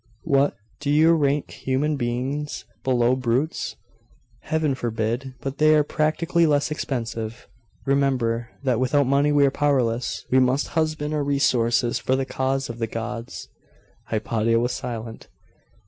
'What! do you rank human beings below brutes?' 'Heaven forbid! But they are practically less expensive. Remember, that without money we are powerless; we must husband our resources for the cause of the gods.' Hypatia was silent.